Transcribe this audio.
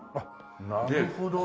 なるほどね。